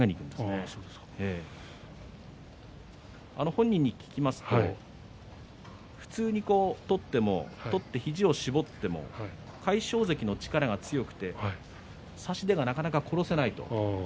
本人に聞きますと普通に取っても取って肘を絞っても魁勝関の力が強くて差し手がなかなか殺せないと。